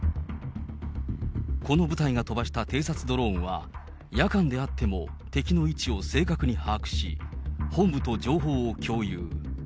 この部隊が飛ばした偵察ドローンは、夜間であっても敵の位置を正確に把握し、本部と情報を共有。